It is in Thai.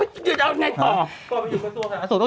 อาสูตรต้องอยู่กระทรวงเวทมนตร์